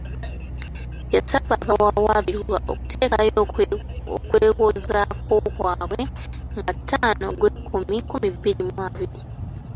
Yasaba abawawaabirwa okuteekayo okwewozaako kwabwe nga ttaano Ogwekkumi, nkumi bbiri mu abiri.